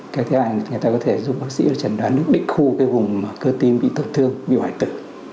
cái thứ hai người ta có thể dùng bác sĩ là chẩn đoán được định khu cái vùng cơ tim bị tổn thương bị hoại tử